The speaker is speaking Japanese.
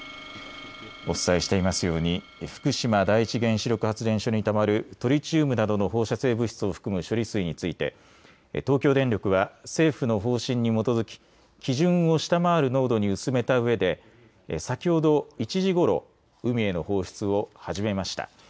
お伝えしていますように福島第一原子力発電所にたまるトリチウムなどの放射性物質を含む処理水について東京電力は政府の方針に基づき基準を下回る濃度に薄めた上で先ほど１時ごろ海への放出を始めました。